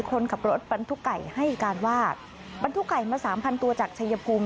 คนขับรถบรรทุกไก่ให้การว่าบรรทุกไก่มาสามพันตัวจากชายภูมิ